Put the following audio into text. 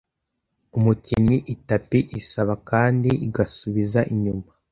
umukinnyi itapi isaba kandi igasubiza inyuma